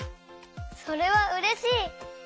それはうれしい！